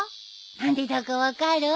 何でだか分かる？